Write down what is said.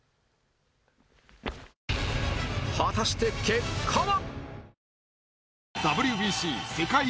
果たして結果は？